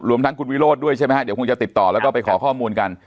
ทั้งคุณวิโรธด้วยใช่ไหมฮะเดี๋ยวคงจะติดต่อแล้วก็ไปขอข้อมูลกัน